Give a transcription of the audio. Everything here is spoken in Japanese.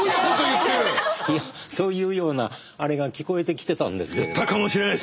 そういうようなあれが聞こえてきてたんです。